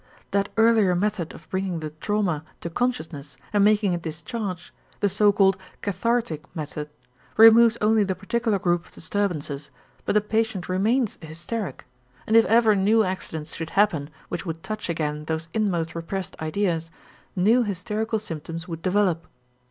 That earlier method of bringing the trauma to consciousness and making it discharge, the so called cathartic method, removes only the particular group of disturbances but the patient remains a hysteric, and if ever new accidents should happen which would touch again those inmost repressed ideas, new hysterical symptoms would develop.